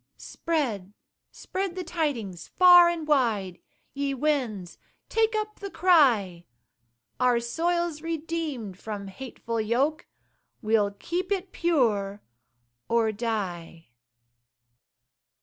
Spread, spread the tidings far and wide, Ye winds take up the cry: "Our soil's redeemed from hateful yoke, We'll keep it pure or die."